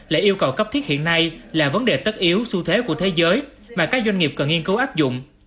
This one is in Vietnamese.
lại yêu cầu cấp thiết hiện nay là vấn đề tất yếu su thế của thế giới mà các doanh nghiệp cần nghiên cứu áp dụng